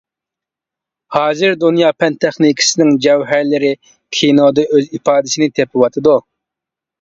ھازىر دۇنيا پەن-تېخنىكىسىنىڭ جەۋھەرلىرى كىنودا ئۆز ئىپادىسىنى تېپىۋاتىدۇ.